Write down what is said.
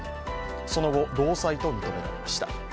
その後、労災と認められました。